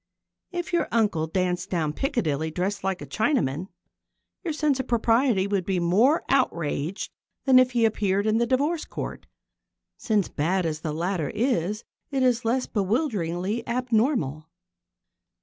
If your uncle danced down Piccadilly dressed like a Chinaman, your sense of propriety would be more outraged than if he appeared in the Divorce Court, since, bad as the latter is, it is less bewilderingly abnormal.